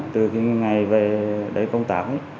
từ ngày về công tác